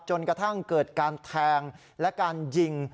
จนกระทั่งเกิดการแทงและการยิง